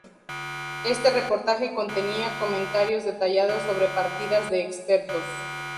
Este reportaje contenía comentarios detallados sobre partidas de expertos.